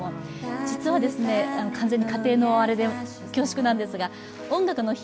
実は完全に家庭のあれで恐縮なんですが「音楽の日」